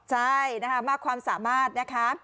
ใช่นะคะมากความสามารถนะคะ